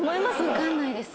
わかんないです。